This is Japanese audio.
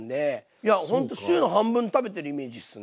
いやほんと週の半分食べてるイメージっすね。